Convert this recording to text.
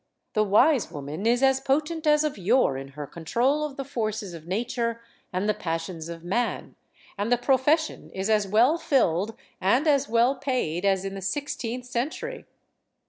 The wise woman is as potent as of yore in her control of the forces of nature and the passions of man, and the profession is as well filled and as well paid as in the six teenth century.